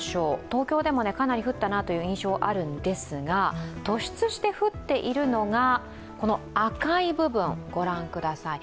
東京でもかなり降ったなという印象があるんですけど突出して降っているのが、この赤い部分を御覧ください。